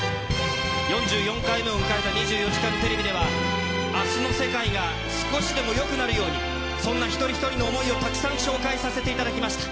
４４回目を迎えた２４時間テレビでは、あすの世界が少しでもよくなるように、そんな一人一人の想いをたくさん紹介させていただきました。